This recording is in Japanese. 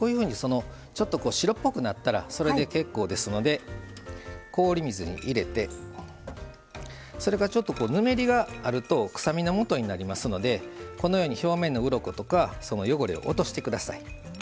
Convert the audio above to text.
ちょっと白っぽくなったらそれで結構ですので氷水に入れて、それからちょっとぬめりがあると臭みのもとになりますので表面のうろこ、汚れを落としてください。